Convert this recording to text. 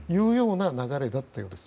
流れだったようです。